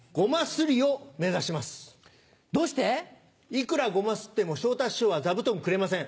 いくらごますっても昇太師匠は座布団くれません。